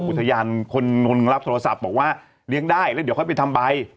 อุทยานคนรับโทรศัพท์บอกว่าเลี้ยงได้แล้วเดี๋ยวค่อยไปทำใบ